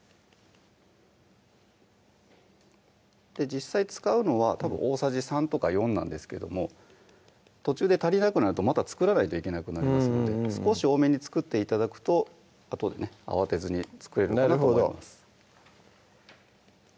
実際使うのは大さじ３とか４なんですけども途中で足りなくなるとまた作らないといけなくなりますので少し多めに作って頂くとあとでね慌てずに作れるかなと思います